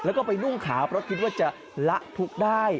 หรือนะคะจับไว้บวกก็ไม่ต่างประ่ามนักข้าไม่ได้นะครับ